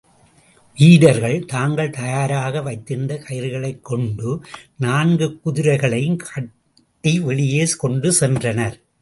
வீரர்கள், தாங்கள் தயாராக வைத்திருந்த கயிறுகளைக் கொண்டு, நான்கு குதிரைகளையும் கட்டி வெளியே கொண்டுசென்றனர்.